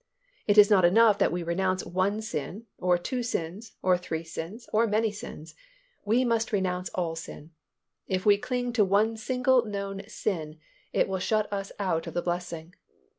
It is not enough that we renounce one sin or two sins or three sins or many sins, we must renounce all sin. If we cling to one single known sin, it will shut us out of the blessing.